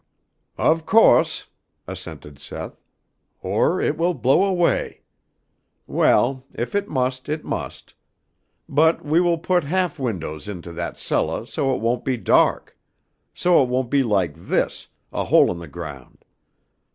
"Of co'se," assented Seth, "or it will blow away. Well, if it must it must; but we will put half windows into that cellah so it won't be da'k, so it won't be like this, a hole in the ground.